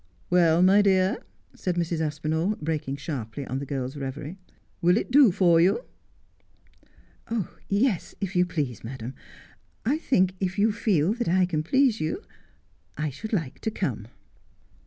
' Well, my dear,' said Mrs. Aspinall, breaking sharply on the girl's reverie, ' will it do for you ?'' Yes, if you please, madam. I think, if you feel that I can please you, I should like to come.'